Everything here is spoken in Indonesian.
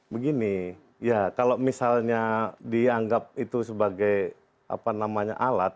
begini ya kalau misalnya dianggap itu sebagai apa namanya alat ya